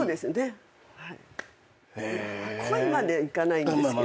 恋まではいかないんですけど。